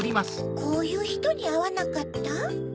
こういうひとにあわなかった？